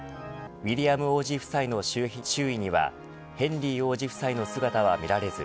ウィリアム王子夫妻の周囲にはヘンリー王子夫妻の姿は見られず